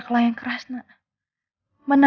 untuk bisa lewatin ini semua